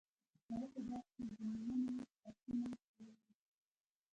هغه په باغ کې د ونو ساتنه کوله.